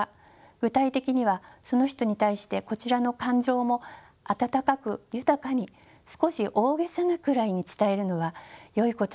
具体的にはその人に対してこちらの感情も温かく豊かに少し大げさなくらいに伝えるのはよいことだと思います。